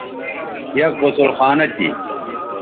یک غسل خانہ تھی